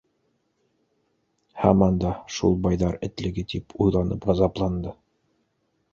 Һаман да шул байҙар этлеге тип уйланып ғазапланды.